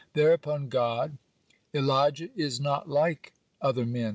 Thereupon God: "Elijah is not like other men.